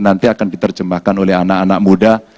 nanti akan diterjemahkan oleh anak anak muda